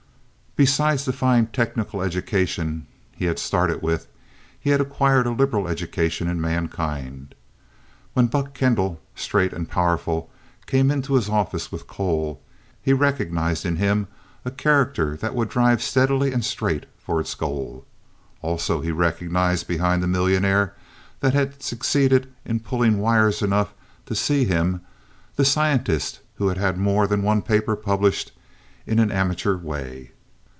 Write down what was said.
Besides the fine technical education he had started with, he had acquired a liberal education in mankind. When Buck Kendall, straight and powerful, came into his office with Cole, he recognized in him a character that would drive steadily and straight for its goal. Also, he recognized behind the millionaire that had succeeded in pulling wires enough to see him, the scientist who had had more than one paper published "in an amateur way."